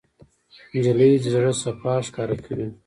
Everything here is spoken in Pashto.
نجلۍ د زړه صفا ښکاره کوي.